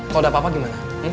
kalau udah apa apa gimana